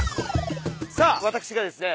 さあ私がですね